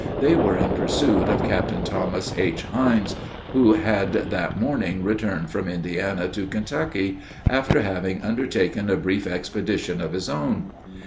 They were in pursuit of Captain Thomas H. Hines, who had that morning returned from Indiana to Kentucky, after having undertaken a brief expedition of his own.